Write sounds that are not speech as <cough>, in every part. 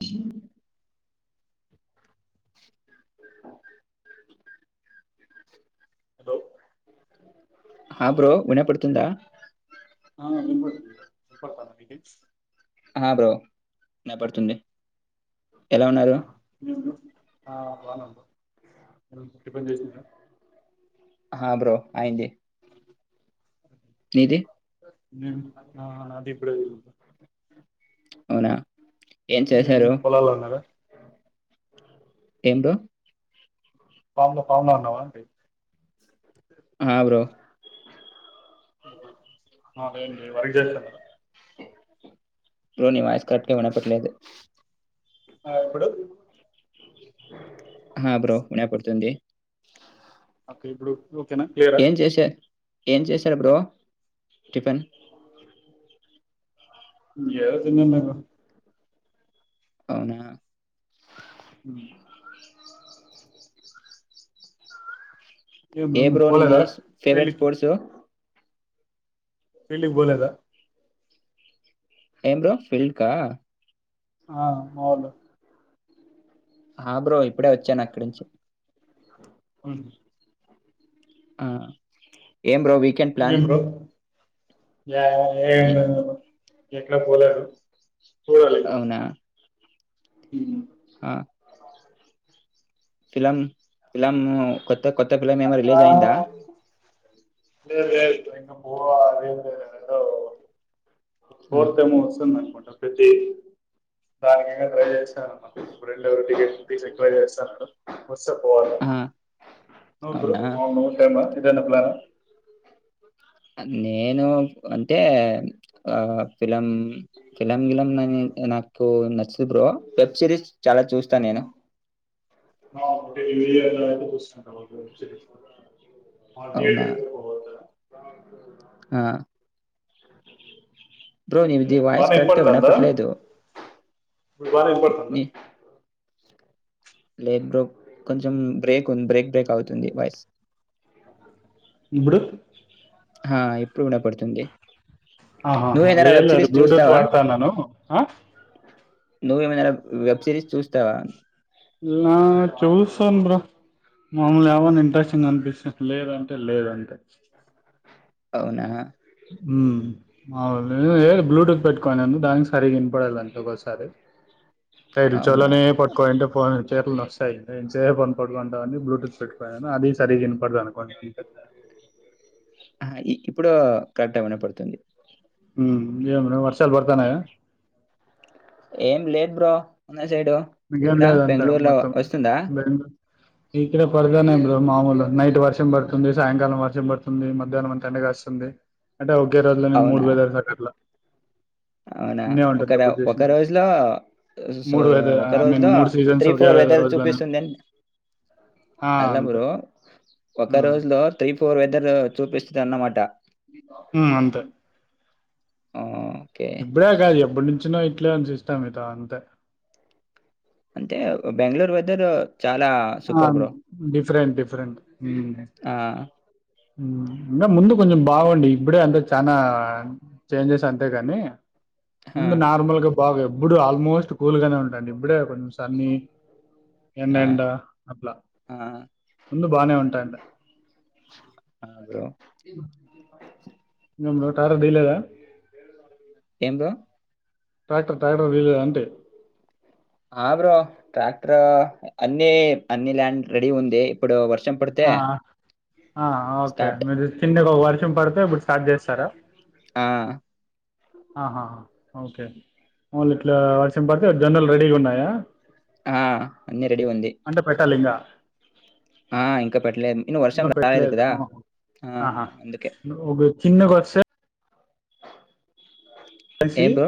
అ అ హలో ఆ బ్రో వినపడుతుందా ఆ నింబడుతు ఇపడతా ఆ బ్రో నాయపడుతుంది ఆహా నేను ఆ బానబ నే పటిబంది చేసి హా బ్రో అయింది నీది అది ఇప్పుడు అవునా ఏం ఇ మీ చేశారు పొలాాలన్నారా ఏం బ్రో ఫామ్ లో ఫామ్ లో అన్నావా ఆ బ్రో ఏంటి వర్క్ చేస్త అన్నార బ్రో నీ వాయిస్ కరెక్ట్ గా వినపడట్లేదు ఆ ఇప్పుడు హా బ్రో వినపడుతుంది ఒకే ఇప్పుడు ఓకేనా క్లియరా ఏం చేశారు ఏం చేశారు బ్రో టిఫిన్ ఏ తిన్నాను అవునా హ ఏం బ్రో మీరు ఏబ్రో నిది పోలేదా ఫవరెట్ ఫీల్డ్ స్పోర్ట్స్ పెళ్ళికి పోలేదా ఏం బ్రో పెళ్లికా ఆ మవులు ఆ బ్రో ఇప్పుడే వచ్చాను అక్కడి నుంచి అవును ఆ ఏం బ్రో వీకెండ్ ప్లాన్ లే ఎం ఏ- లేదు బ్రో ఇంట్లపోలేను అవునా హ ఆ ఫీలాం ఫీలాం కొథక్ కొత్త ఫిలిం ఏమన్న రిలీజ్ అయిందా లే లే ఇంకా పోవా అదే ఏదో ఆ కోర్తే మూస అ దానినికి ట్రై చేస్తాను రెండురు టికెట్లు తీ ట్రై చేస్తాన్నాడు వస్త పోవాల ఆ నువ్వు బ్రో అవునా మామవ్ సేమా ఇదేనా ప్లాన్ నేను అంటే ఆ ఫిలం ఫిలం గిలం నాకు నచ్చదు బ్రో వెబ్ సిరీస్ చాలా చూస్తాను నేను ఆ టెలివిజన్ లోన చూస్తున్నావ వెబెసిరీస్ ఆ అవునా! ధీయెటర్ <unintelligible> పోవద్దా. ఆ! బ్రో నీది వాయిస్ బానే కరెక్ట్‌గా ఇంపడతందా, వినపట్లేదు. ఇప్పుడు బానే ఇంపడతందా. నీ లేదు బ్రో కొంచెం బ్రేక్ ఉంది, బ్రేక్ బ్రేక్ అవుతుంది వాయిస్. ఇప్పుడు ఆ ఇప్పుడు వినపడుతుంది. ఆహా నువ్వేమైనా లేదు వెబ్ లేదు సిరీస్ బ్లూటూత్ చూస్తావా? వాడతా ఉన్నాను ఆ నువ్వు ఏమైనా వెబ్ సిరీస్ చూస్తావా. ఆ చూస్తాను బ్రో మామూలు ఏవన్నా ఇంట్రెస్టింగ్ అనిపిస్తే లేదంటే లేదంతే. అవునా హ్మ్ అవులే ఏ బ్లూటూత్ పెట్టుకొన్నాను దానికి సరిగా వినపడలే ఒక్కోసారి రెక్ట్ అవునా! చెవులనే పట్టుకోని ఉంటే ఫోన్ చేతులు నొ సర్నేను ఎంసేపు ఫోన్ పట్టుకుంటావని బ్లూటూత్ పెట్టుకున్నాను అది సరిగ్గా ఇనపడదు అనుకోని ఆ ఇప్పుడు కరెక్ట్ వినపడుతుంది. ఉ ఏం బ్రో వర్షాలు పడ్తానయా. ఏం లేదు బ్రో మన సైడు. మీకెల్లి ఇక్కడ లే అంతే బెంగుళూరులో మొత్తం వస్తుందా? బెంగ <inaudible> ఇక్కడ పడత్తాన్నాయి బ్రో మామూలు నైట్ వర్షం పడుతుంది, సాయంకాలం వర్షం పడుతుంది, మధ్యాహ్నం అంత ఎండగా వస్తుంది. అంటే ఒకే రోజులోనే మూడు అవునా! వెదర్స్ అన్నట్లు అవునా ఒక ర ఎప్పుడు ఒక చూసినా గాని రోజులో సు మూడు వెదర్ ఐ ఒకరోజు మీన్ లో మూడు సీజన్స్ త్రి ఒకే ఫోర్ వెదర్ రోజులోనే చూపిస్తుంది ఏంది. ఆ హలో అంతే బ్రో ఒక హ్మ్ రోజు లో త్రి ఫోర్ వెదర్ వెదర్ చూపిస్తు అన్నమాట ఉ అంతే ఆ ఇబ్ర కాజ <unintelligible> ఎప్పటి నుంచినో ఇట్లే ఉంది సిస్టమ్ ఇద అంతే అంటే బెంగళూరు వెదర్ చాలా ఆ సూపర్ బ్రో డిఫరెంట్ డిఫరెంట్ ఊ ఆ, ఇంగా ముందు కొంచెం బాగుండి, ఇప్పుడే అంతే చానా చేంజెస్ అంతే కానీ. ఆ, ముందు నార్మల్ గా బాగా ఎప్పుడూ ఆల్మోస్ట్ కూల్ గానే ఉంటాండె. ఇప్పుడే కొంచెం సన్నీ ఎన్న ఆ, ఎండ అట్లా ఆ, ముందు బానే ఉంటా అంట ఆ బ్రో ఇ టార డీలేదా ఏం బ్రో ట్రాక్టర్ ట్రాక్టర్ తీయలేదా అంటే ఆ బ్రో ట్రాక్టర్ అన్ని అన్ని ల్యాండ్ రెడీ ఉంది ఇప్పుడు వర్ ఆ ఆ ఓకే స్టార్ట్ మీరు తిండి పోవాల్ ర్షం పడితే అప్పుడు స్టార్ట్ చేస్తారా ఆ ఆహా ఓకే ఓన్లీ ఇట్లా వర్షం పడితే జొన్నలు రెడీగా ఉన్నాయా ఆ అన్నీ రెడీ ఉంది అంటే పెట్టాలి ఇంకా ఆ ఇంకా పట్లే ఇన్న వర్షం ఇంకా పెట్టలేదు రాలేదుకదా ఓహో ఆహా అందుకే కిందకి వస్తే కసి ఏం బ్రో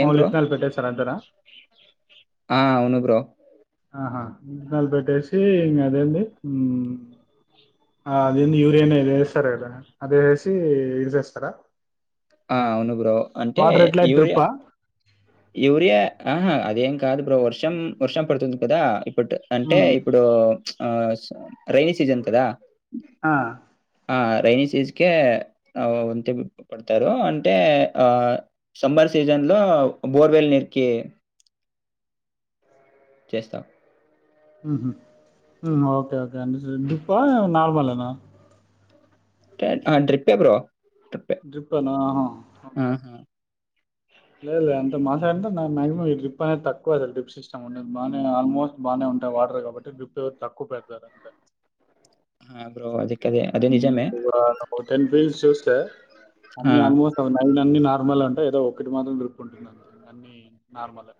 ఏం బ్రో మాౌలిత్నాల్ పెట్టే సార్ అంతేనా ఆ అవును బ్రో ఆహా ఇనాలు పెట్టేసి ఇం అదేంది అదేంది యూరియాని ఏది వేస్తారు కదా అది వేేసి ఇదిసేస్తారా ఆ అవును బ్రో అంటే యూరియా డ్రిప్పా యూరియా ఆహా అదేం కాదు బ్ర వర్షం వర్షం పడుతుంది కదా అంటే ఇప్పుడు ఆ రైనీ సీజన్ కథ ఆ రైైనీ సీజ్కే వంతి పడతారు అంటే సమ్మర్ సీజన్లో బోర్వల్ నేకే చేస్తాం ఓకే ఓకే రెండు ఒప్ప నాల్ వాళ్ళనా కాడ్ డ్రిప్ ఐ బ్రో ట్రిప్పే డ్రిపెనా ఆహా ఒకే ఆహా లేదు లేదు అంత మాస అంటే మాక్సిమమ్ ఈ డ్రిప్ అనేది తక్కువ పోారు డ్రిప్ సిస్టమ్ ఉన్నది బాగానే ఆల్మోస్ట్ బాగానే ఉంటాయి వాటర్ కాబట్టి డ్రిప్ తక్కువ పెడతారు అంతే ఆ బ్రో అది అదే అదే నిజమే ఇ టెన్ పీల్స్ చూస్తే ఆ అన్ని ఆల్మోస్ట్ నైన్ అన్ని నార్మల్ అంటు దో ఒకట్ మాత్రం ంటుంది అంతే ఇ అన్ని నార్మల్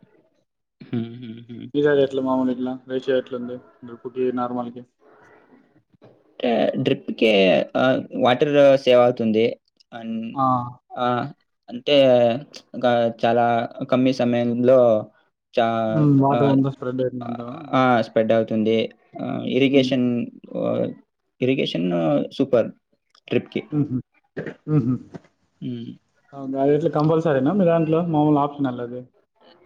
హ్మ్, హ్మ్, హ్మ్. నిస రెట్లు మామూలు ఇట్ల రేష ఎట్లంది డ్రిప్కి నార్మల్ కి అంటే డ్రిప్కిి వాటర్ సేవ్ అవుతుంది మ్మ్ ఆ ఆ అంటే ఇంకా చాలా కమ్మి సమయంలో చ హ్మ్. ఆ వాటర్ అంతా స్ప్రెడ్ అవుతుంది అంటావా ఆ స్పెడ్ అవు తుంది ఆ ఇరిగేషన్ ఆహ్, ఇరిగేషన్ ఆ సూపర్ ట్రిప్కి ఉ హు ఉహ్మ్ అది ఎట్లా కంపల్సరీనా మీ దాంట్లో మామూలు ఆప్షనల్ అది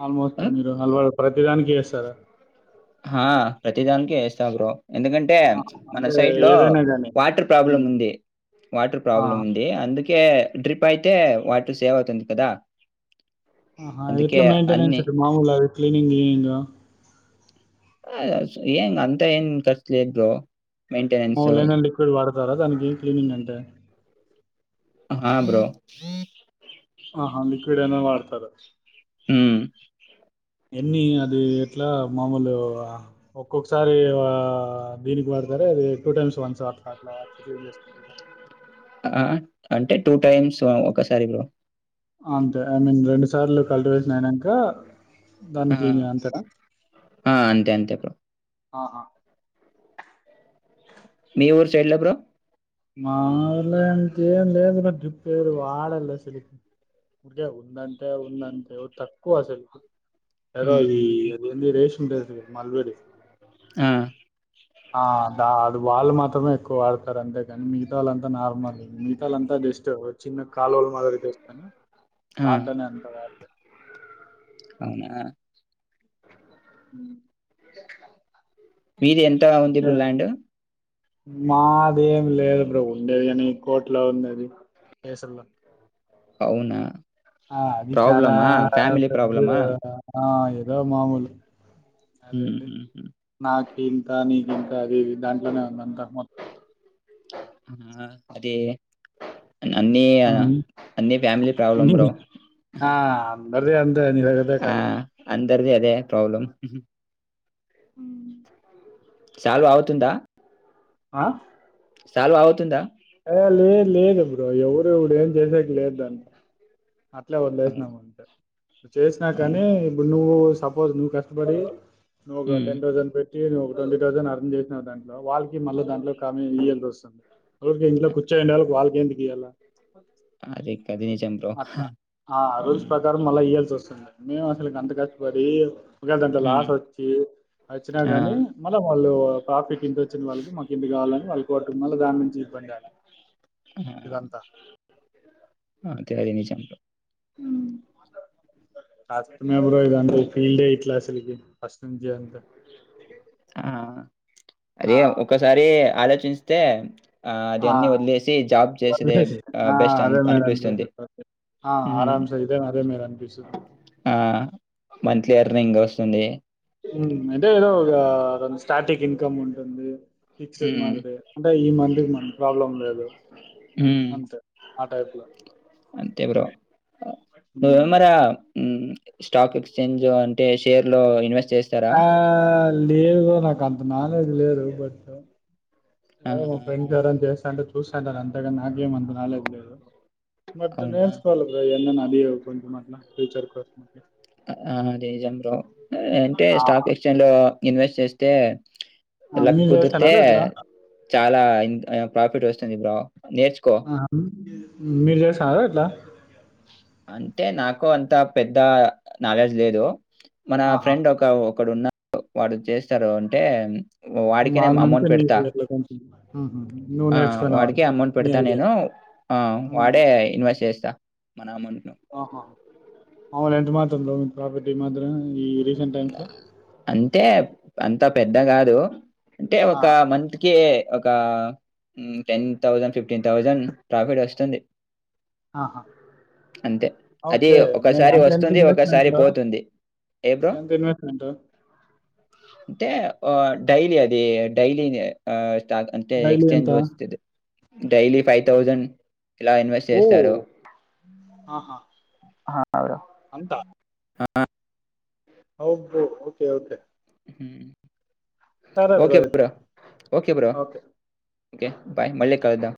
ఆల్మోస్ట్ ఆహ్, ఆ! మీరు హల్వా ప్ర తి దానికి ఏస్తారా హా ప్రతి దానిక ఏస్తా బ్రో ఎందుకంటే ఆ! మన అంటే సైడ్ లో ఏదైనా గాని. వాటర్ ప్రాబ్లం హ్మ్. ఉంది వాటర్ ఆ! ప్రాబ్లం ఉంది అందుకె కే డ్రిప్ అయితే వాటర్ సేవ్ అవుతుంది కదా ఆహా ఎట్ల అందుకే మేంటేనేన్స్ అన్ని మామూల అ క్లినింగ్ విలినింగ్ అస ఏం అంతా ఏం కర్చ్ లేదు బ్రో మెయింటెనెన్స్ మామూలుగా ఏదైనా లిక్విడ్ వాడో తారా దానికి క్లీనింగ్ అంటే హా బ్రో ఆహా లిక్విడ్ అయినా వాడతారు ఉహ్మ్ ఎన్ని అది ఎట్లా మామూలు ఒక్కొక్కసారి దీనికి వాడతారా అది టూ టైమ్స్, వన్స్ అట్లా అట్లా క్లీనింగ్ చేసుకుంటూ ఆ అంటే టూ టైమ్స్ ఒకసారి బ్రో అంతే ఐ మీన్ రెండు సార్లు కల్టివేషన్ అయినంక దాన్ని ఆ క్లీన్ అంతేనా? ఆ అంతే అంతే బ్రో ఆహా మీ ఊరు సైడ్లో బ్రో మా ఊర్లంతే ఏం లేదు డ్రిపే లేదు వాడాలి అసలు ఉడికే ఉందంటే ఉందంటే తక్కువ అసలు ఏర హ్మ్ ఈ హ్మ్ ఏంది రేషన్ కేసి మల్వేడి ఆ ఆ దాలు వాళ్ళు మాత్రమే ఎక్కువ వడతారు అండి కానీ మిగత వాళ్ళం నార్మల్ మిగతాల్ అంతా జస్ట్ చిన్న కాలువళ మాదిరి తేస్తనా ఆ దాంట్లనే అంత వాట్ అవునా ఉహ్మ్ మీది ఎం త ఉంది ల్యాండ్ మాదేం లేదు బ్రో ఉండేది కానీ కోర్టులో ఉంది కేసుల్లో అవునా ఆ అది చారా ప్రాబ్లమా ఫ్యామిలీ పెగ్గు ప్రాబ్లమా ఓ ఏదో మామూలు హ్మ్ అదేండి హ్మ్ నాకు ఇంత నీకు ఇంత అది ఇది దాంట్లోనే ఉందింతా మొత్తం ఆ అరే అన్ని అన్ని ఫ్యామిలీ ప్రాబ్లమ్ బో అదే అంత అదే నవే టాలో ఇద్దది అదే ప్రాబ్లమ్ ఉ చాలు అవుతుందా ఆ సాలు అవుతుందా ఐ లేద్ లేదు బ్రో ఎవరు ఏం చేసేది లేదు దాన్ని అట్లే అవును, వదిలేసినావు అనుకుంటచేసినా కానీ అవునా ఇప్పుడు నువ్వు సప్ పోజ్ నువ్వు కష్టపడే యే నోగ హ్మ్ టెన్ రౌసండ్ పే ఒక ట్వంటీ థౌసండ్ అర్న్ చేసినా దాంట్ వాళ్ళకి మళ్ళీ దాంట్లో కమీ ఇవ్వాల్సి వస్తుంది రోజు ఇంట్లో కూర్చొని ఉంటారు. వాళ్ళు ఎంమిటి ఇయ్యాల అదే కదినిషన్ తో ఆ రోజ్ ప్రకారం మళ్ళ ఇయ్యాల్సి వస్తుంది మేము అసలు గంత కష్టపడి ఒకేళ దాంట్లో హ్మ్. లాస్ వచ్చి వచ్చినా ఆ కానీ మళ్ళీ వాళ్ళు ప్రాఫిట్ ఇంత వచ్చిన వాళ్ళకి మాకు ఇంత కావాలని వాళ్ళకి మళ్ళీ దాని గురించి ఇబ్బందిడాలా ఆది నిజం బ్రో మ్ము ఆ మేబ్రో ఇది ఈ ఫీల్డ్ ఏ ఇట్లా స్ త్రిగేడ్ ఆ ఆ అదే ఒకసారి ఆలోచ చేస్తే ఆ అది అన్ని వదిలేసి జాబ్ చేసేదే ఆ బెస్ట్ అదే మేడం అనిపిస్తుంది ఆ ఆరామ్సే ఇదే అదే మేడం అనిపిస్తది ఆమంత్లీ ఇంకా వస్తుంది అంటే ఏదో ఒక స్టాటిక్ ఇన్కమ్ ఉంటుంది ఫిక్స్డ్ హ్మ్ మాదిరి అంటే ఈ మంత్ కి మనంకు ప్రాబ్లం లేదు హ్మ్ అంతే ఆ టైప్ లో అంతే బ్రో నువ్వేమరా హ్మ్ స్టాక్ ఎక్స్చేంజ్ అంటే షేర్ లో ఇన్వెస్ట్ చేస్తారా ఆ లేవు నాకాంత క్నోలెడ్జ్ లేదు బట్ ఇగ మా ఆహాహా ఫ్రెండ్స్ ఎవరానా చేస్తా అంటే చు చేస్తుంటారు అంతే గాని నాకేం అంత క్నోలెడ్జ్ లేదు మంచిగ అవునా నేర్చుకోవాలి బ్రో అంటే అది కొంచం అట్లా ఫ్యచర్ లో ఆ అంటే ఆ! స్టాక్ ఎక్స్చేంజ్ లో ఇన్వెస్ట్ చేస్తే ఆ, లక్ మీరు కుదిరితే చేస్తన్నారా ఇట్లా? చాలా ప్రాఫిట్ వస్తు చని బ్రా ఆ మీరు చెసారా ఎట్లా అంటే నాకు అంత పెద్ద నాలెడ్జ్ లేదు మన ఆహా! ఫ్రెండ్ ఒక ఒకడున్నడు వాడు చేస్తారు అంటే హ్మ్. వాడిక నే వాళ్ళ నుంచే అమౌంట్ నీకు పెడతా అట్లా కొంచెం హుహు. నువ్వు ఆ వాడికే నేర్చుకున్నావంటారు. అమౌంట్ నీ పెడతా ఐడియా. నేను హ్మ్. వాడే ఇన్వెస్ట్ చేస్తా మన అమౌంట్ మాములు ఎంత మాత్రం బ్రో ప్రాపర్టీ ఈ మధ్యన ఈ రీసెంట్ టైమ్స్‌లో? అంటే అంత పెద్ద కాదు అంటే ఆ! ఒక మంత్ కి ఒక ten thousand fifteen thousand profit వస్తుంది ఆహా! అంతే అది ఓకే. మీరు ఒకసారి అంటే ఎంత వస్తుంది ఒకసారి ఇన్వెస్ట్‌మెంట్‌లో? పోతుంది ఏ బ్రో మెంటు అంటే డైలీ అది డైలీ అంతే డైలీ ఎక్స్చేంజ్ ఎంత? ఓచ్చస్తది డైలీ ఫైవ్ థౌజండ్ ఇలా ఇన్వెస్ట్ ఓహ్! చేస్తారు హా అవురు ంట అవు బ్రో ఓకే ఓకే ఉహు సరే ఓకే అయితే. Bro okay bro okay bye మల్లెప్ కాద